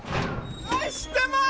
「愛してます！」